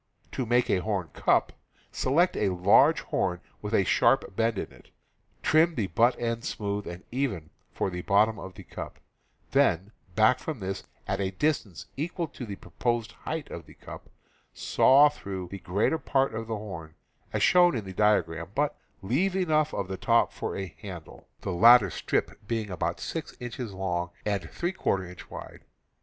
To make a horn cup: Select a large horn with a sharp bend in it; trim the butt end smoothe and even for the bottom of the cup; then, back from this, at a distance equal to the proposed height of the cup, saw through the greater part of the horn, as shown in the diagram, but leave enough of the top for a handle, the 294 CAMPING AND WOODCRAFT latter strip being about 6 inches long and f inch wide.